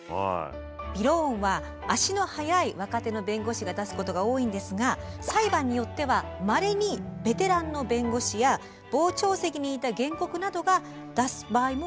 びろーんは足の速い若手の弁護士が出すことが多いんですが裁判によってはまれにベテランの弁護士や傍聴席にいた原告などが出す場合もあるということです。